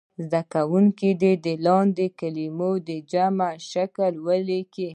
زده کوونکي دې د لاندې کلمو د جمع شکل ولیکي.